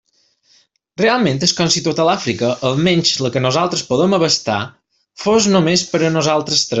Realment és com si tota l'Àfrica, almenys la que nosaltres podem abastar, fos només per a nosaltres tres.